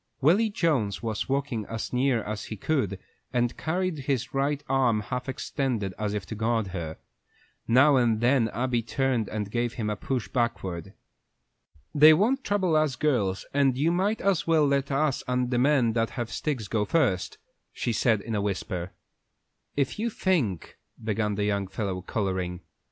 Willy Jones was walking as near as he could, and he carried his right arm half extended, as if to guard her. Now and then Abby turned and gave him a push backward. "They won't trouble us girls, and you might as well let us and the men that have sticks go first," she said in a whisper. "If you think " began the young fellow, coloring.